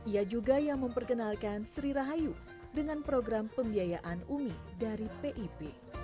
ia juga yang memperkenalkan sri rahayu dengan program pembiayaan umi dari pip